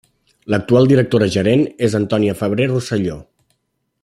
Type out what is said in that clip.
L'actual directora gerent és Antònia Febrer Rosselló.